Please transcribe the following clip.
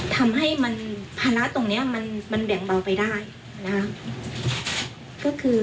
ทำให้มันภาระตรงนี้มันแบ่งเบาไปได้นะคะก็คือ